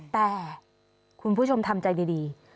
แต่คุณผู้ชมทำใจดี